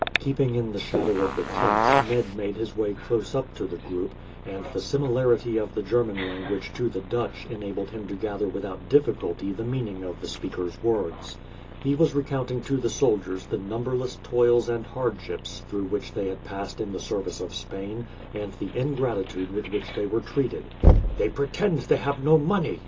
Keeping in the shadow of the tents, Ned made his way close up to the group, and the similarity of the German language to the Dutch enabled him to gather without difficulty the meaning of the speaker's words. He was recounting to the soldiers the numberless toils and hardships through which they had passed in the service of Spain, and the ingratitude with which they were treated. "They pretend they have no money!"